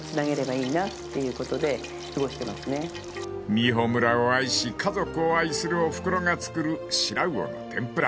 ［美浦村を愛し家族を愛するおふくろが作るシラウオの天ぷら。